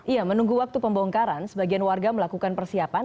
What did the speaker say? iya menunggu waktu pembongkaran sebagian warga melakukan persiapan